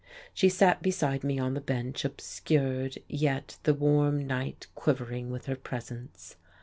She sat beside me on the bench, obscured, yet the warm night quivered with her presence.